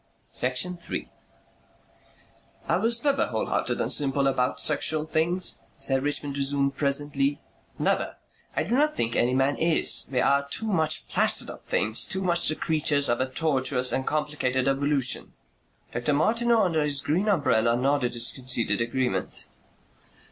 Section 3 "I was never wholehearted and simple about sexual things," Sir Richmond resumed presently. "Never. I do not think any man is. We are too much plastered up things, too much the creatures of a tortuous and complicated evolution." Dr. Martineau, under his green umbrella, nodded his conceded agreement.